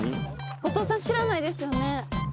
後藤さん知らないですよね。